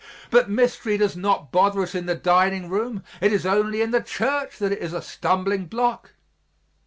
But mystery does not bother us in the dining room; it is only in the church that it is a stumbling block.